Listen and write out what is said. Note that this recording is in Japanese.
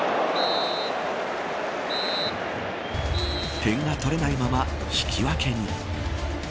点が取れないまま、引き分けに。